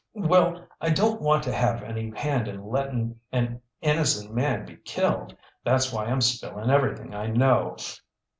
"Well, I don't want to have any hand in letting an innocent man be killed. That's why I'm spilling everything I know.